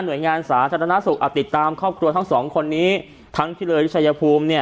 หน่วยงานสาธารณสุขอาบติดตามครอบครัวทั้งสองคนนี้ทั้งพิเรศชัยภูมิเนี้ย